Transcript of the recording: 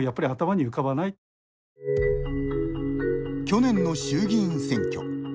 去年の衆議院選挙